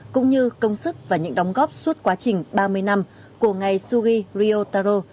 cũng như công sức và những đóng góp suốt quá trình ba mươi năm của ngày sugi ryotaro